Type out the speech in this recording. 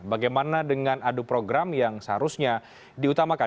bagaimana dengan adu program yang seharusnya diutamakan